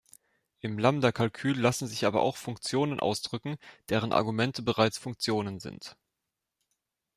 Im Lambda-Kalkül lassen sich aber auch Funktionen ausdrücken, deren Argumente bereits Funktionen sind.